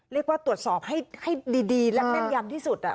เรียกว่าตรวจสอบให้ดีและแม่นยำที่สุด